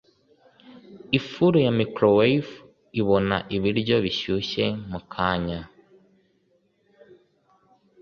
Ifuru ya microwave ibona ibiryo bishyushye mukanya.